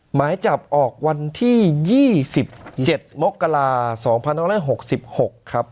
หมายจับออกวันที่๒๗มกรา๒๑๖๖ครับ